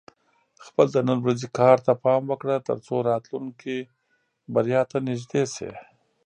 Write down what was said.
خپل د نن ورځې کار ته پام وکړه، ترڅو راتلونکې بریا ته نږدې شې.